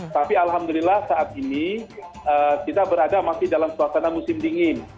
tapi alhamdulillah saat ini kita berada masih dalam suasana musim dingin